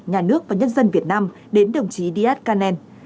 nhà nước và nhân dân việt nam đến đồng chí díaz canel